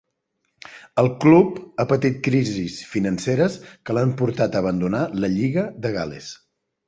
El club ha patit crisis financeres que l'han portat a abandonar la lliga de Gal·les.